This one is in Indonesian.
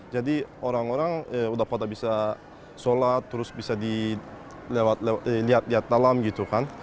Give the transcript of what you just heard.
jadi orang orang sudah pada bisa sholat terus bisa dilihat dalam gitu kan